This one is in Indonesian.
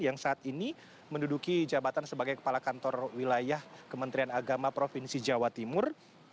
yang saat ini menduduki jabatan sebagai kepala kantor wilayah kementerian agama provinsi jawa timur